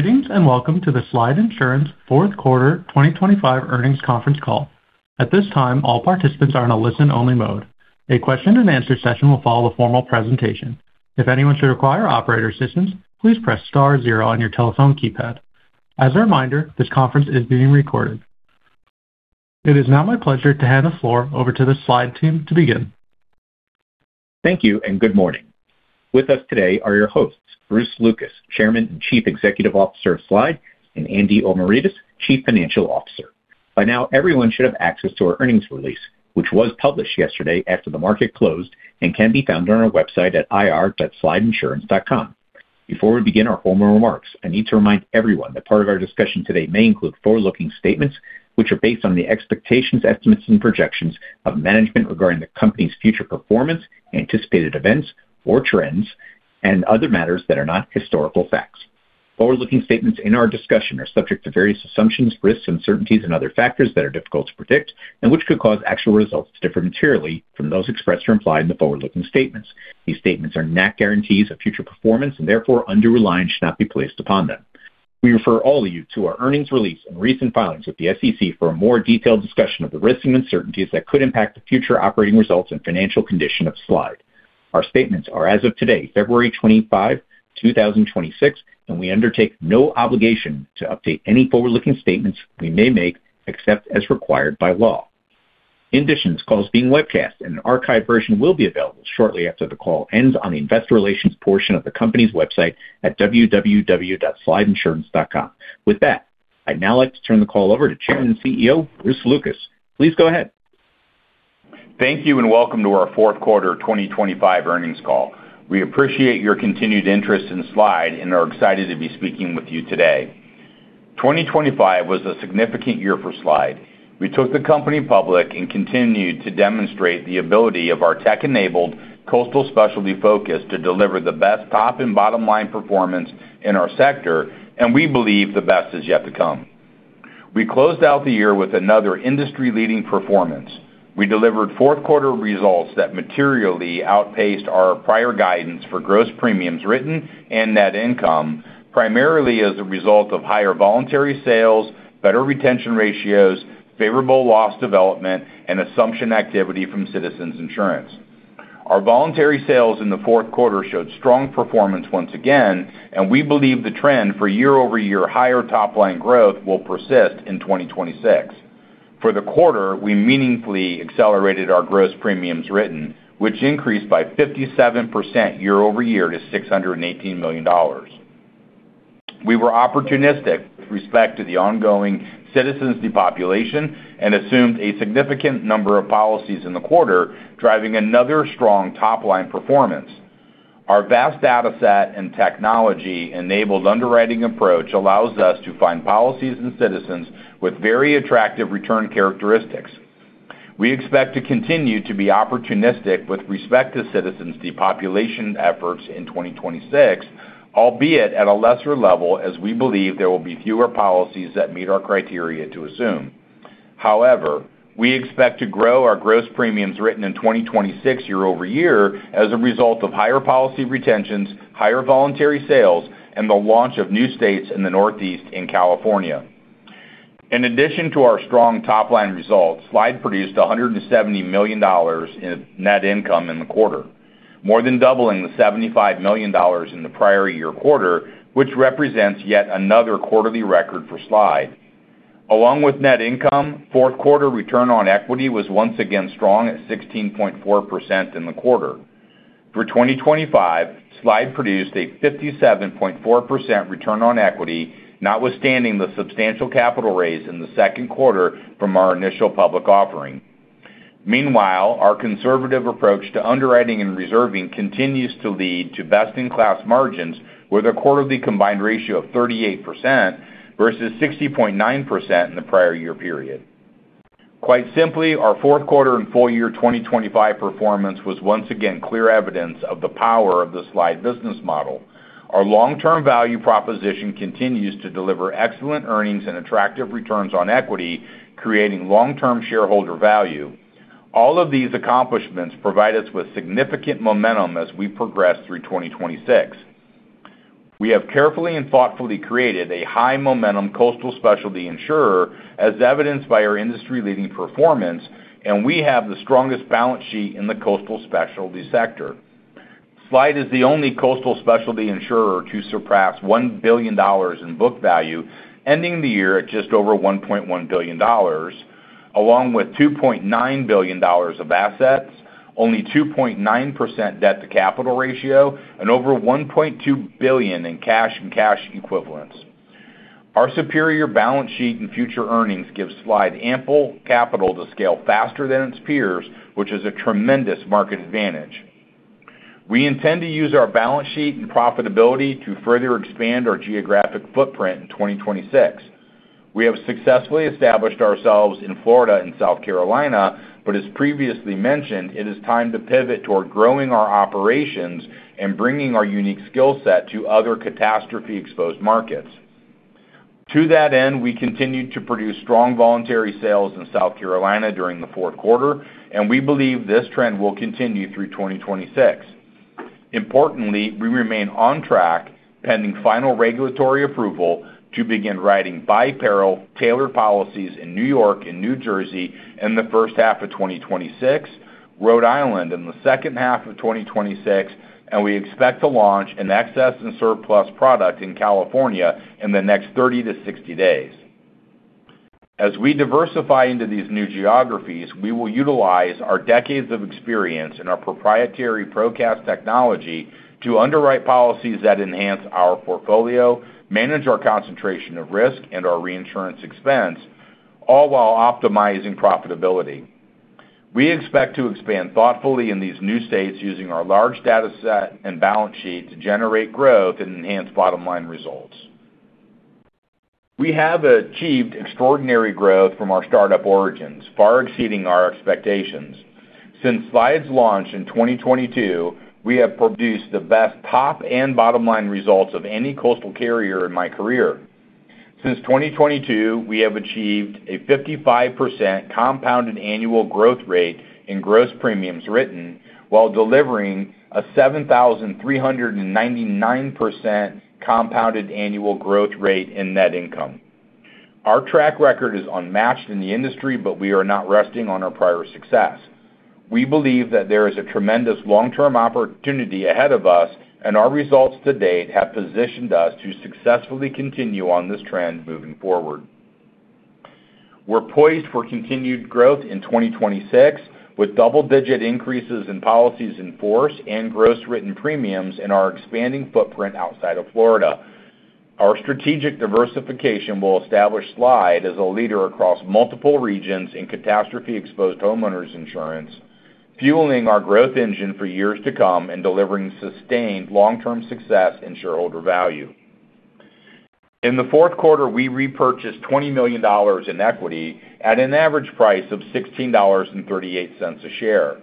Greetings, welcome to the Slide Insurance fourth quarter 2025 earnings conference call. At this time, all participants are in a listen-only mode. A question-and-answer session will follow the formal presentation. If anyone should require operator assistance, please press star zero on your telephone keypad. As a reminder, this conference is being recorded. It is now my pleasure to hand the floor over to the Slide team to begin. Thank you. Good morning. With us today are your hosts, Bruce Lucas, Chairman and Chief Executive Officer of Slide, and Andy Omiridis, Chief Financial Officer. By now, everyone should have access to our earnings release, which was published yesterday after the market closed and can be found on our website at ir.slideinsurance.com. Before we begin our formal remarks, I need to remind everyone that part of our discussion today may include forward-looking statements, which are based on the expectations, estimates, and projections of management regarding the company's future performance, anticipated events or trends, and other matters that are not historical facts. Forward-looking statements in our discussion are subject to various assumptions, risks, uncertainties, and other factors that are difficult to predict and which could cause actual results to differ materially from those expressed or implied in the forward-looking statements. These statements are not guarantees of future performance and therefore under-reliance should not be placed upon them. We refer all of you to our earnings release and recent filings with the SEC for a more detailed discussion of the risks and uncertainties that could impact the future operating results and financial condition of Slide. Our statements are as of today, February 25, 2026. We undertake no obligation to update any forward-looking statements we may make, except as required by law. In addition, this call is being webcast, and an archived version will be available shortly after the call ends on the investor relations portion of the company's website at www.slideinsurance.com. With that, I'd now like to turn the call over to Chairman and CEO, Bruce Lucas. Please go ahead. Thank you, and welcome to our 4th quarter 2025 earnings call. We appreciate your continued interest in Slide and are excited to be speaking with you today. 2025 was a significant year for Slide. We took the company public and continued to demonstrate the ability of our tech-enabled coastal specialty focus to deliver the best top-line and bottom-line performance in our sector, and we believe the best is yet to come. We closed out the year with another industry-leading performance. We delivered 4th quarter results that materially outpaced our prior guidance for gross premiums written and net income, primarily as a result of higher voluntary sales, better retention ratios, favorable loss development, and assumption activity from Citizens Insurance. Our voluntary sales in the 4th quarter showed strong performance once again, and we believe the trend for year-over-year higher top-line growth will persist in 2026. For the quarter, we meaningfully accelerated our gross premiums written, which increased by 57% year-over-year to $618 million. We were opportunistic with respect to the ongoing Citizens depopulation and assumed a significant number of policies in the quarter, driving another strong top-line performance. Our vast data set and technology-enabled underwriting approach allows us to find policies and Citizens with very attractive return characteristics. We expect to continue to be opportunistic with respect to Citizens depopulation efforts in 2026, albeit at a lesser level, as we believe there will be fewer policies that meet our criteria to assume. We expect to grow our gross premiums written in 2026 year-over-year as a result of higher policy retentions, higher voluntary sales, and the launch of new states in the Northeast and California. In addition to our strong top-line results, Slide produced $170 million in net income in the quarter, more than doubling the $75 million in the prior year quarter, which represents yet another quarterly record for Slide. Along with net income, fourth quarter return on equity was once again strong at 16.4% in the quarter. For 2025, Slide produced a 57.4% return on equity, notwithstanding the substantial capital raise in the second quarter from our initial public offering. Meanwhile, our conservative approach to underwriting and reserving continues to lead to best-in-class margins, with a quarterly combined ratio of 38% versus 60.9% in the prior year period. Quite simply, our fourth quarter and full year 2025 performance was once again clear evidence of the power of the Slide business model. Our long-term value proposition continues to deliver excellent earnings and attractive returns on equity, creating long-term shareholder value. All of these accomplishments provide us with significant momentum as we progress through 2026. We have carefully and thoughtfully created a high-momentum coastal specialty insurer, as evidenced by our industry-leading performance, and we have the strongest balance sheet in the coastal specialty sector. Slide is the only coastal specialty insurer to surpass $1 billion in book value, ending the year at just over $1.1 billion, along with $2.9 billion of assets, only 2.9% debt-to-capital ratio, and over $1.2 billion in cash and cash equivalents. Our superior balance sheet and future earnings give Slide ample capital to scale faster than its peers, which is a tremendous market advantage. We intend to use our balance sheet and profitability to further expand our geographic footprint in 2026. We have successfully established ourselves in Florida and South Carolina, but as previously mentioned, it is time to pivot toward growing our operations and bringing our unique skill set to other catastrophe-exposed markets. To that end, we continued to produce strong voluntary sales in South Carolina during the fourth quarter, and we believe this trend will continue through 2026. Importantly, we remain on track, pending final regulatory approval, to begin writing by peril tailored policies in New York and New Jersey in the first half of 2026, Rhode Island in the second half of 2026, and we expect to launch an excess and surplus product in California in the next 30 to 60 days. As we diversify into these new geographies, we will utilize our decades of experience and our proprietary ProCast technology to underwrite policies that enhance our portfolio, manage our concentration of risk and our reinsurance expense, all while optimizing profitability. We expect to expand thoughtfully in these new states, using our large data set and balance sheet to generate growth and enhance bottom-line results. We have achieved extraordinary growth from our startup origins, far exceeding our expectations. Since Slide's launch in 2022, we have produced the best top and bottom line results of any coastal carrier in my career. Since 2022, we have achieved a 55% compounded annual growth rate in gross premiums written, while delivering a 7,399% compounded annual growth rate in net income. Our track record is unmatched in the industry. We are not resting on our prior success. We believe that there is a tremendous long-term opportunity ahead of us, and our results to date have positioned us to successfully continue on this trend moving forward. We're poised for continued growth in 2026, with double-digit increases in policies in force and gross written premiums in our expanding footprint outside of Florida. Our strategic diversification will establish Slide as a leader across multiple regions in catastrophe-exposed homeowners insurance, fueling our growth engine for years to come and delivering sustained long-term success and shareholder value. In the fourth quarter, we repurchased $20 million in equity at an average price of $16.38 a share.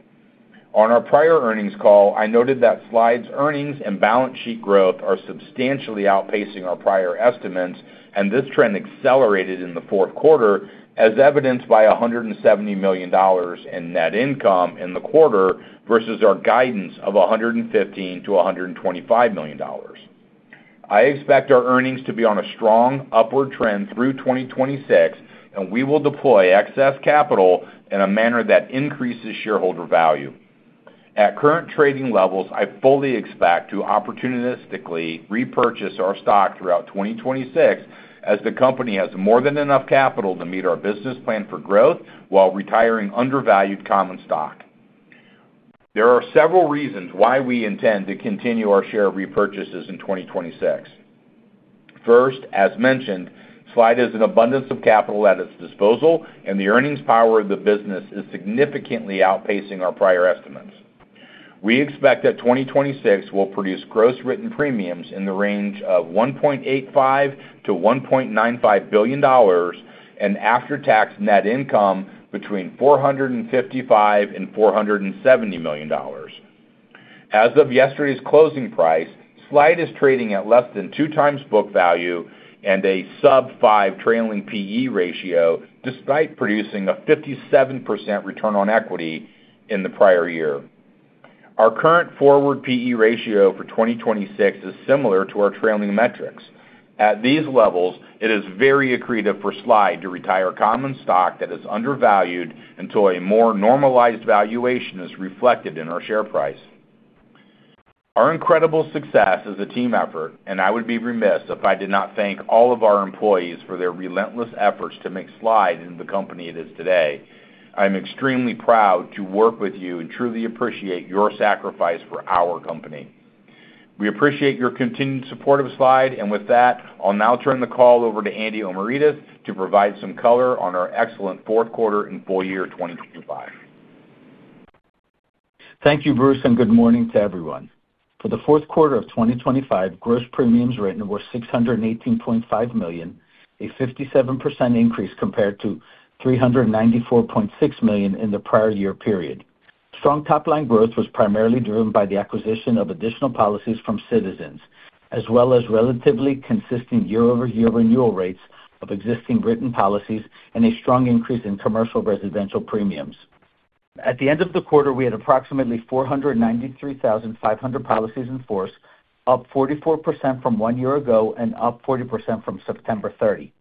On our prior earnings call, I noted that Slide's earnings and balance sheet growth are substantially outpacing our prior estimates, and this trend accelerated in the fourth quarter, as evidenced by $170 million in net income in the quarter versus our guidance of $115 million-$125 million. I expect our earnings to be on a strong upward trend through 2026, and we will deploy excess capital in a manner that increases shareholder value. At current trading levels, I fully expect to opportunistically repurchase our stock throughout 2026, as the company has more than enough capital to meet our business plan for growth while retiring undervalued common stock. There are several reasons why we intend to continue our share repurchases in 2026. As mentioned, Slide has an abundance of capital at its disposal, and the earnings power of the business is significantly outpacing our prior estimates. We expect that 2026 will produce gross written premiums in the range of $1.85 billion-$1.95 billion, and after-tax net income between $455 million and $470 million. As of yesterday's closing price, Slide is trading at less than 2x book value and a sub five trailing P/E ratio, despite producing a 57% return on equity in the prior year. Our current forward P/E ratio for 2026 is similar to our trailing metrics. At these levels, it is very accretive for Slide to retire common stock that is undervalued until a more normalized valuation is reflected in our share price. Our incredible success is a team effort. I would be remiss if I did not thank all of our employees for their relentless efforts to make Slide into the company it is today. I'm extremely proud to work with you and truly appreciate your sacrifice for our company. We appreciate your continued support of Slide. With that, I'll now turn the call over to Andy Omiridis to provide some color on our excellent fourth quarter and full year 2025. Thank you, Bruce, and good morning to everyone. For the fourth quarter of 2025, gross premiums written were $618.5 million, a 57% increase compared to $394.6 million in the prior year period. Strong top-line growth was primarily driven by the acquisition of additional policies from Citizens, as well as relatively consistent year-over-year renewal rates of existing written policies and a strong increase in commercial residential premiums. At the end of the quarter, we had approximately 493,500 policies in force, up 44% from one year ago and up 40% from September 30.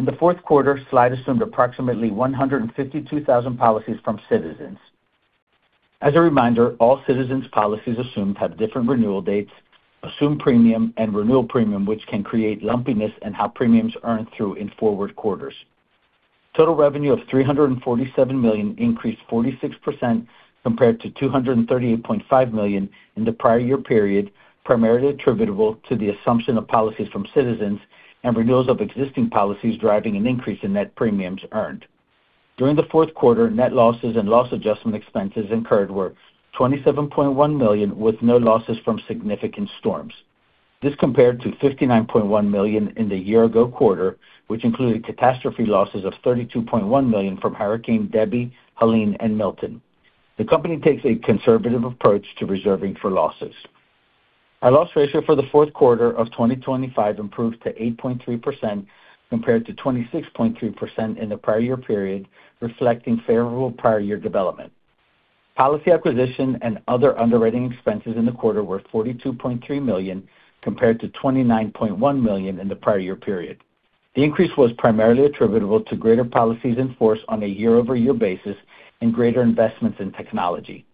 In the fourth quarter, Slide assumed approximately 152,000 policies from Citizens. As a reminder, all Citizens policies assumed have different renewal dates, assumed premium, and renewal premium, which can create lumpiness in how premiums earn through in forward quarters. Total revenue of $347 million increased 46% compared to $238.5 million in the prior year period, primarily attributable to the assumption of policies from Citizens and renewals of existing policies, driving an increase in net premiums earned. During the fourth quarter, net losses and loss adjustment expenses incurred were $27.1 million, with no losses from significant storms. This compared to $59.1 million in the year-ago quarter, which included catastrophe losses of $32.1 million from Hurricane Debbie, Helene, and Milton. The company takes a conservative approach to reserving for losses. Our loss ratio for the fourth quarter of 2025 improved to 8.3% compared to 26.3% in the prior year period, reflecting favorable prior year development. Policy acquisition and other underwriting expenses in the quarter were $42.3 million, compared to $29.1 million in the prior year period. The increase was primarily attributable to greater policies in force on a year-over-year basis and greater investments in technology.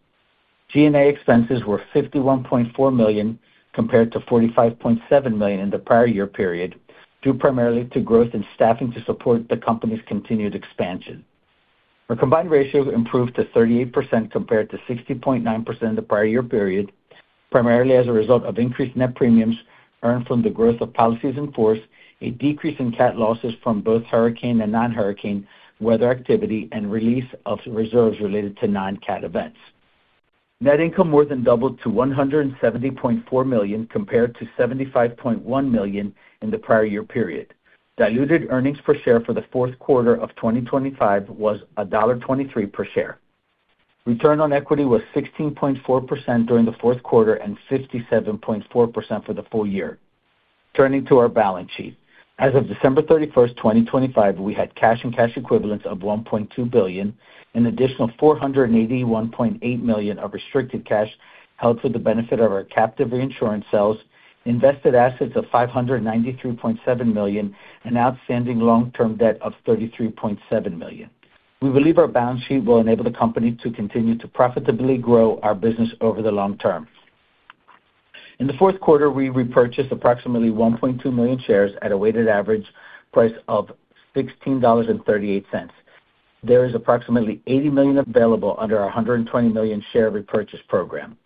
G&A expenses were $51.4 million, compared to $45.7 million in the prior year period, due primarily to growth in staffing to support the company's continued expansion. Our combined ratio improved to 38% compared to 60.9% in the prior year period, primarily as a result of increased net premiums earned from the growth of policies in force, a decrease in cat losses from both hurricane and non-hurricane weather activity, and release of reserves related to non-cat events. Net income more than doubled to $170.4 million, compared to $75.1 million in the prior year period. Diluted earnings per share for the fourth quarter of 2025 was $1.23 per share. Return on equity was 16.4% during the fourth quarter and 57.4% for the full year. Turning to our balance sheet. As of December 31st, 2025, we had cash and cash equivalents of $1.2 billion, an additional $481.8 million of restricted cash held for the benefit of our captive reinsurance cells, invested assets of $593.7 million, and outstanding long-term debt of $33.7 million. We believe our balance sheet will enable the company to continue to profitably grow our business over the long term. In the fourth quarter, we repurchased approximately 1.2 million shares at a weighted average price of $16.38. There is approximately $80 million available under our $120 million share repurchase program.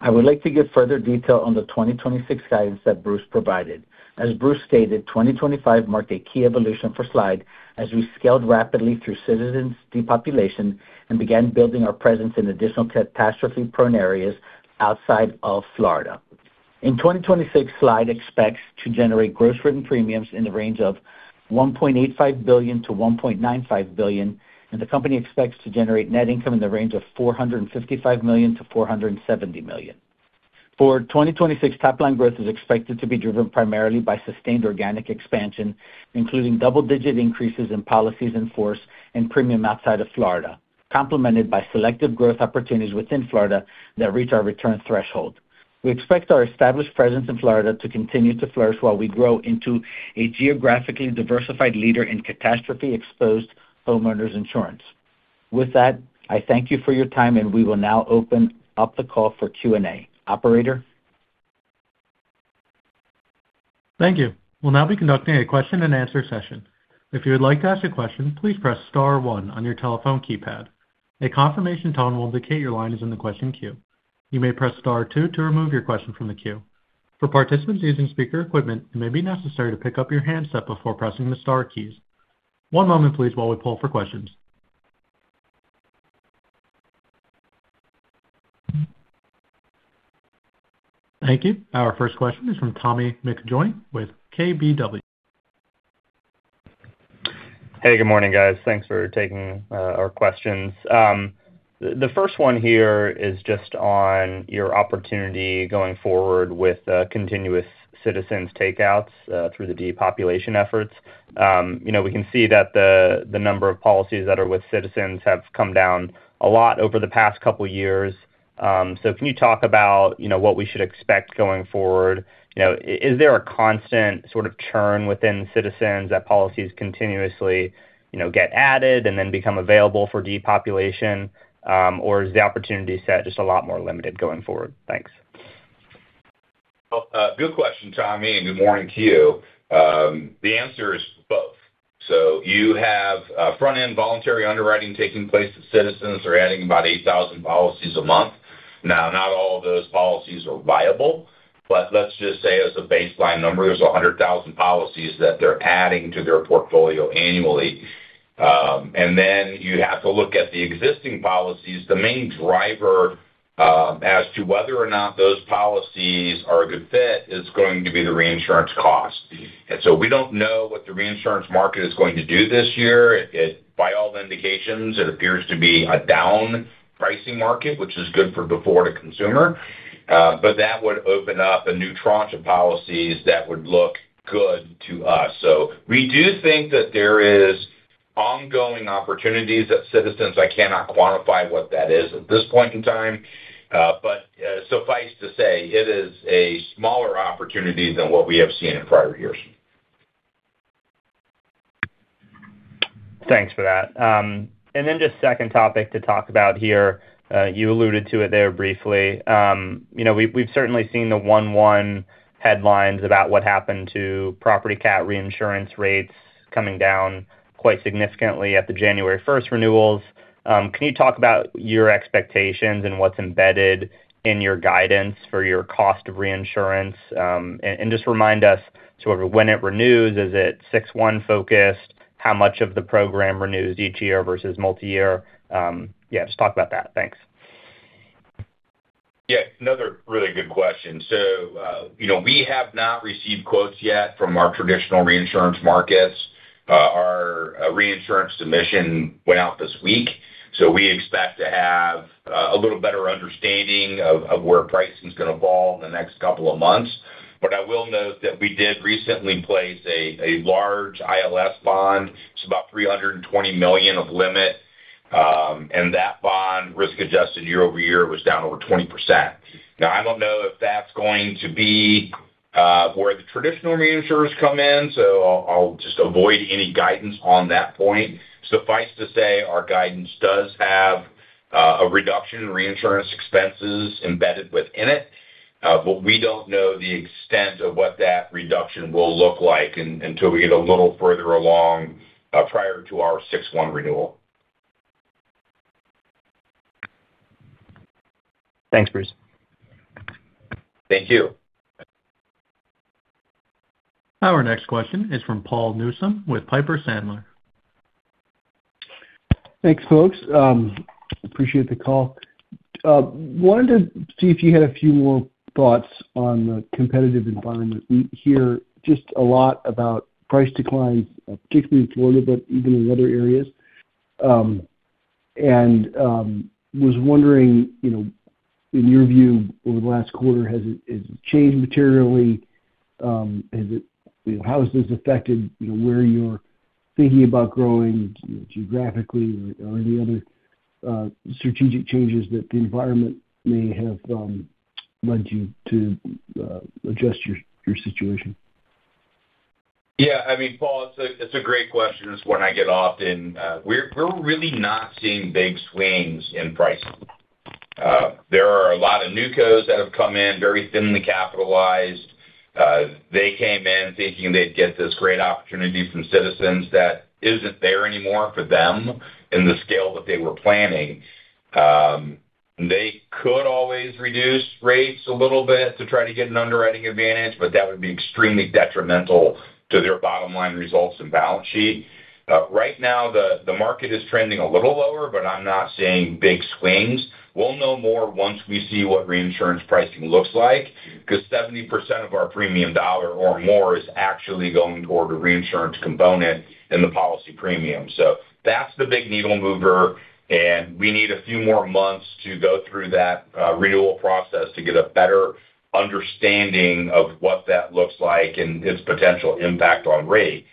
I would like to give further detail on the 2026 guidance that Bruce provided. As Bruce stated, 2025 marked a key evolution for Slide, as we scaled rapidly through Citizens' depopulation and began building our presence in additional catastrophe-prone areas outside of Florida. In 2026, Slide expects to generate gross written premiums in the range of $1.85 billion-$1.95 billion, and the company expects to generate net income in the range of $455 million-$470 million. For 2026, top-line growth is expected to be driven primarily by sustained organic expansion, including double-digit increases in policies in force and premium outside of Florida, complemented by selective growth opportunities within Florida that reach our return threshold. We expect our established presence in Florida to continue to flourish while we grow into a geographically diversified leader in catastrophe-exposed homeowners insurance. With that, I thank you for your time, and we will now open up the call for Q&A. Operator? Thank you. We'll now be conducting a question-and-answer session. If you would like to ask a question, please press star one on your telephone keypad. A confirmation tone will indicate your line is in the question queue. You may press star two to remove your question from the queue. For participants using speaker equipment, it may be necessary to pick up your handset before pressing the star keys. One moment, please, while we pull for questions. Thank you. Our first question is from Tommy McJoynt with KBW. Hey, good morning, guys. Thanks for taking our questions. The first one here is just on your opportunity going forward with continuous Citizens takeouts through the depopulation efforts. You know, we can see that the number of policies that are with Citizens have come down a lot over the past couple years. Can you talk about, you know, what we should expect going forward? You know, is there a constant sort of churn within Citizens that policies continuously, you know, get added and then become available for depopulation, or is the opportunity set just a lot more limited going forward? Thanks. Well, good question, Tommy, and good morning to you. The answer is both. You have front-end voluntary underwriting taking place at Citizens. They're adding about 8,000 policies a month. Now, not all of those policies are viable, but let's just say as a baseline number, there's 100,000 policies that they're adding to their portfolio annually. You have to look at the existing policies. The main driver, as to whether or not those policies are a good fit is going to be the reinsurance cost. We don't know what the reinsurance market is going to do this year. It, by all indications, it appears to be a down pricing market, which is good for before to consumer. That would open up a new tranche of policies that would look good to us. We do think that there is ongoing opportunities at Citizens. I cannot quantify what that is at this point in time, but, suffice to say, it is a smaller opportunity than what we have seen in prior years. Thanks for that. Just second topic to talk about here. You alluded to it there briefly. You know, we've certainly seen the 1/1 headlines about what happened to property cat reinsurance rates coming down quite significantly at the January 1st renewals. Can you talk about your expectations and what's embedded in your guidance for your cost of reinsurance? Just remind us sort of when it renews, is it 6/1 focused? How much of the program renews each year versus multiyear? Yeah, just talk about that. Thanks. Yeah, another really good question. You know, we have not received quotes yet from our traditional reinsurance markets. Our reinsurance submission went out this week, so we expect to have a little better understanding of where pricing is going to fall in the next couple of months. I will note that we did recently place a large ILS bond. It's about $320 million of limit, and that bond, risk-adjusted year-over-year, was down over 20%. I don't know if that's going to be where the traditional reinsurers come in, so I'll just avoid any guidance on that point. Suffice to say, our guidance does have a reduction in reinsurance expenses embedded within it, but we don't know the extent of what that reduction will look like until we get a little further along prior to our 6/1 renewal. Thanks, Bruce. Thank you. Our next question is from Paul Newsome with Piper Sandler. Thanks, folks. Appreciate the call. Wanted to see if you had a few more thoughts on the competitive environment. We hear just a lot about price declines, particularly in Florida, but even in other areas. Was wondering, you know, in your view, over the last quarter, has it changed materially? How has this affected, you know, where you're thinking about growing geographically or any other strategic changes that the environment may have led you to adjust your situation? Yeah, I mean, Paul, it's a great question. We're really not seeing big swings in pricing. There are a lot of NewCos that have come in, very thinly capitalized. They came in thinking they'd get this great opportunity from Citizens that isn't there anymore for them in the scale that they were planning. They could always reduce rates a little bit to try to get an underwriting advantage, that would be extremely detrimental to their bottom line results and balance sheet. Right now, the market is trending a little lower, I'm not seeing big swings. We'll know more once we see what reinsurance pricing looks like, because 70% of our premium dollar or more is actually going toward a reinsurance component in the policy premium. That's the big needle mover, and we need a few more months to go through that renewal process to get a better understanding of what that looks like and its potential impact on rate.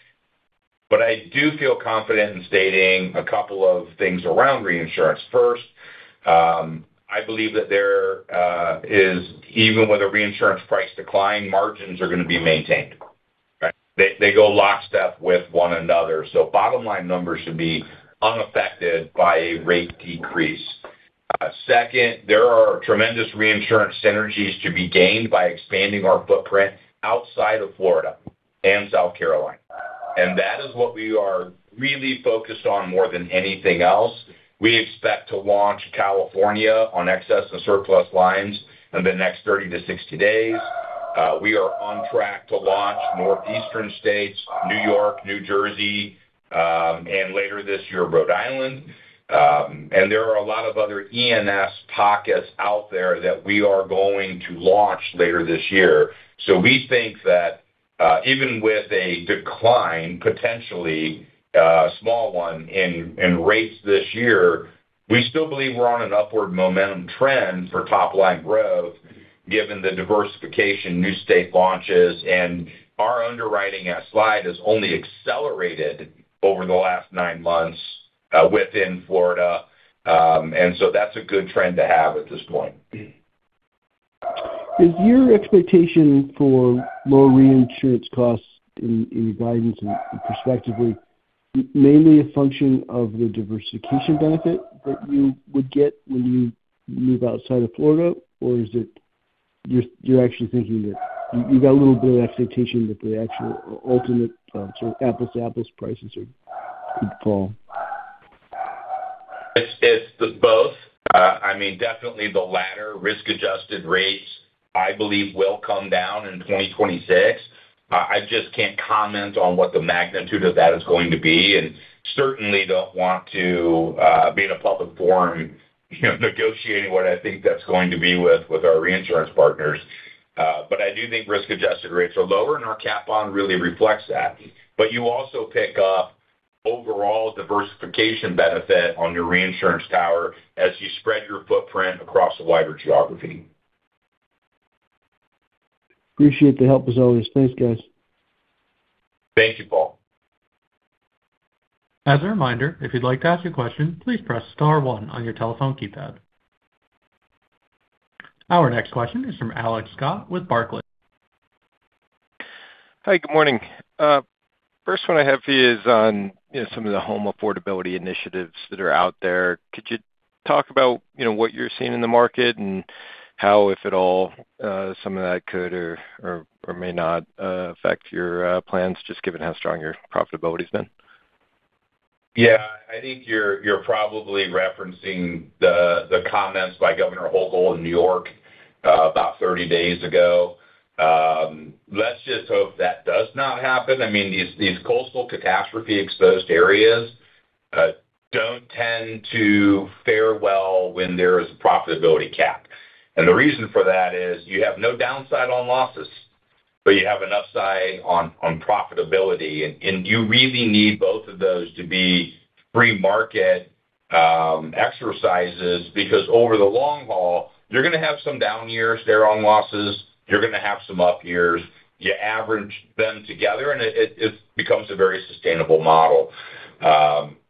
I do feel confident in stating a couple of things around reinsurance. First, I believe that there is, even with a reinsurance price decline, margins are going to be maintained, right? They go lockstep with one another. Bottom line numbers should be unaffected by a rate decrease. Second, there are tremendous reinsurance synergies to be gained by expanding our footprint outside of Florida and South Carolina. That is what we are really focused on more than anything else. We expect to launch California on excess and surplus lines in the next 30-60 days. we are on track to launch northeastern states, New York, New Jersey, later this year, Rhode Island. There are a lot of other E&S pockets out there that we are going to launch later this year. So we think that even with a decline, potentially, a small one in rates this year, we still believe we're on an upward momentum trend for top-line growth, given the diversification, new state launches, and our underwriting Slide has only accelerated over the last nine months within Florida. So that's a good trend to have at this point. Is your expectation for lower reinsurance costs in your guidance and perspectively, mainly a function of the diversification benefit that you would get when you move outside of Florida? Or is it you're actually thinking that you've got a little bit of expectation that the actual ultimate sort of apples-to-apples prices are could fall? It's the both. I mean, definitely the latter. Risk-adjusted rates, I believe, will come down in 2026. I just can't comment on what the magnitude of that is going to be, and certainly don't want to be in a public forum, you know, negotiating what I think that's going to be with our reinsurance partners. I do think risk-adjusted rates are lower, and our cat bond really reflects that. You also pick up overall diversification benefit on your reinsurance tower as you spread your footprint across a wider geography. Appreciate the help as always. Thanks, guys. Thank you, Paul. As a reminder, if you'd like to ask a question, please press star one on your telephone keypad. Our next question is from Alex Scott with Barclays. Hi, good morning. First one I have for you is on, you know, some of the home affordability initiatives that are out there. Could you talk about, you know, what you're seeing in the market and how, if at all, some of that could or may not, affect your plans, just given how strong your profitability has been? Yeah. I think you're probably referencing the comments by Kathy Hochul in New York about 30 days ago. Let's just hope that does not happen. I mean, these coastal catastrophe-exposed areas tend to fare well when there is a profitability cap. The reason for that is you have no downside on losses, but you have an upside on profitability, and you really need both of those to be free market exercises, because over the long haul, you're gonna have some down years there on losses, you're gonna have some up years. You average them together, and it becomes a very sustainable model.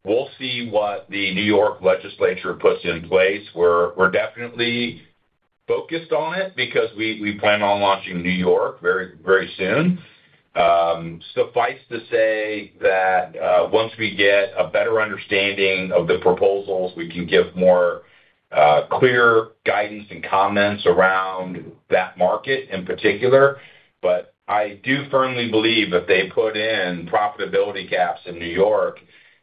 We'll see what the New York legislature puts in place. We're definitely focused on it because we plan on launching New York very, very soon. Suffice to say that, once we get a better understanding of the proposals, we can give more clear guidance and comments around that market in particular. I do firmly believe if they put in profitability caps in New York,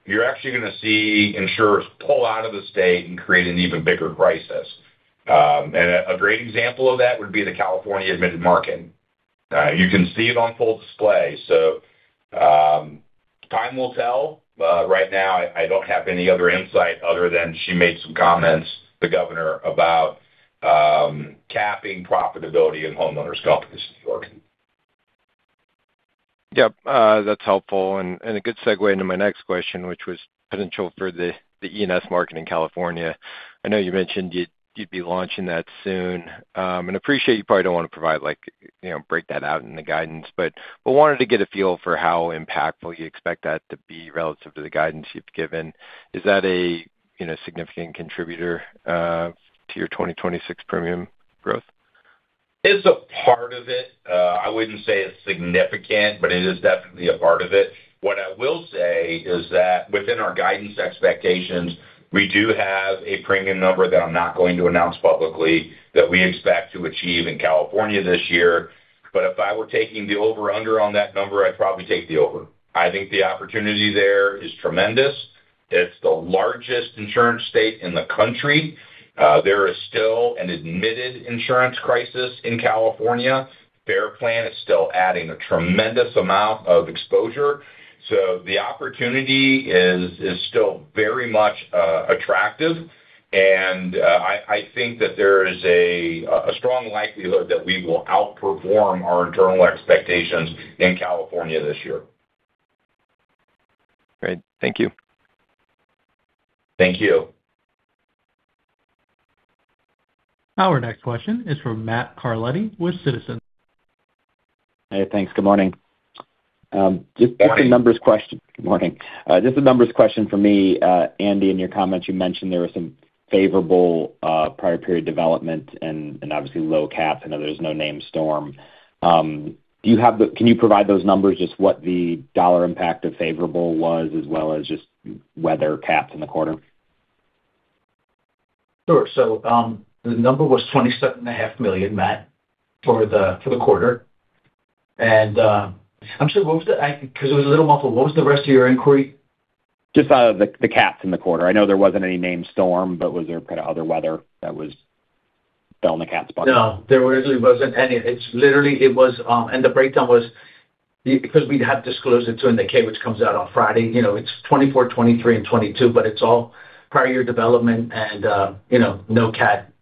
you're actually gonna see insurers pull out of the state and create an even bigger crisis. A great example of that would be the California admitted market. You can see it on full display. Time will tell, but right now, I don't have any other insight other than she made some comments, the Governor, about capping profitability in homeowners insurance in New York. Yep, that's helpful and a good segue into my next question, which was potential for the E&S market in California. I know you mentioned you'd be launching that soon. And appreciate you probably don't want to provide like, you know, break that out in the guidance, but I wanted to get a feel for how impactful you expect that to be relative to the guidance you've given. Is that a, you know, significant contributor to your 2026 premium growth? It's a part of it. I wouldn't say it's significant, but it is definitely a part of it. What I will say is that within our guidance expectations, we do have a premium number that I'm not going to announce publicly, that we expect to achieve in California this year. If I were taking the over under on that number, I'd probably take the over. I think the opportunity there is tremendous. It's the largest insurance state in the country. There is still an admitted insurance crisis in California. FAIR Plan is still adding a tremendous amount of exposure. The opportunity is still very much attractive. I think that there is a strong likelihood that we will outperform our internal expectations in California this year. Great. Thank you. Thank you. Our next question is from Matthew Carletti with Citizens. Hey, thanks. Good morning. Good morning. A numbers question. Good morning. Just a numbers question for me. Andy, in your comments, you mentioned there were some favorable prior period development and obviously low caps. I know there's no named storm. Can you provide those numbers, just what the dollar impact of favorable was, as well as just weather caps in the quarter? Sure. The number was $27.5 million, Matt, for the quarter. I'm sorry, what was the I- because it was a little muffled, what was the rest of your inquiry? Just, the caps in the quarter. I know there wasn't any named storm, but was there kind of other weather that was filling the caps bucket? No, there really wasn't any. It's literally it was. The breakdown was because we'd have disclosed it to in the K, which comes out on Friday, you know, it's 2024, 2023, and 2022, but it's all prior year development, you know, no cat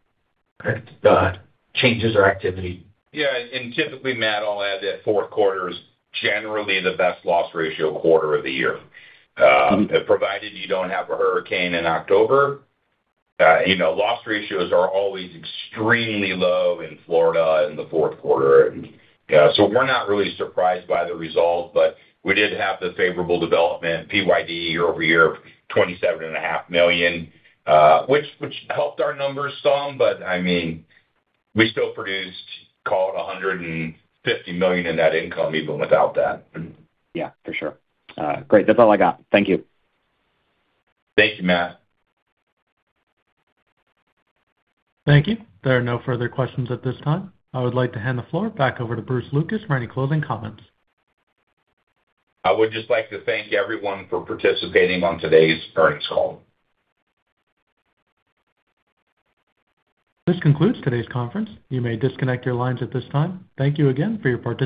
changes or activity. Typically, Matt, I'll add that fourth quarter is generally the best loss ratio quarter of the year. Provided you don't have a hurricane in October, you know, loss ratios are always extremely low in Florida in the fourth quarter. We're not really surprised by the results. We did have the favorable development, PYD, year-over-year, $27.5 million, which helped our numbers some. I mean, we still produced, call it, $150 million in net income even without that. Yeah, for sure. Great. That's all I got. Thank you. Thank you, Matt. Thank you. There are no further questions at this time. I would like to hand the floor back over to Bruce Lucas for any closing comments. I would just like to thank everyone for participating on today's earnings call. This concludes today's conference. You may disconnect your lines at this time. Thank you again for your participation.